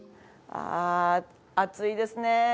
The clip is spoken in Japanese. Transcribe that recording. ああ暑いですね。